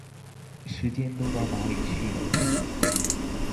時間都到哪裡去了？